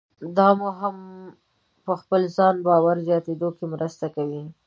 دا مو هم په خپل ځان باور زیاتېدو کې مرسته کوي.